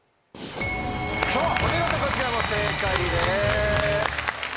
お見事こちらも正解です！